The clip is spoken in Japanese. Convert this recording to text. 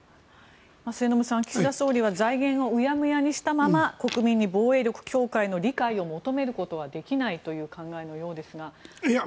末延さん、岸田総理は財源をうやむやにしたまま国民に防衛力強化の理解を求めることはできないという考えのようですが。